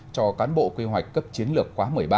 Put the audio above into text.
cho cán bộ quy hoạch cấp chiến lược khóa một mươi ba